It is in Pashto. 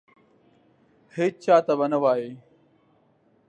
هیچا ته به نه وایې !